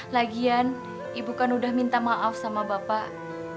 lagian ibu kan udah minta maaf sama bapak